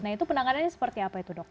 nah itu penanganannya seperti apa itu dok